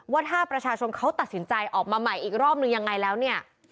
ว่าถ้าประชาชนเขาตัดสินใจออกมาใหม่อีกรอบนึงยังไงแล้วเนี่ย